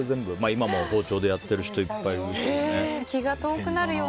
今も包丁でやってる人いっぱいいるけどね。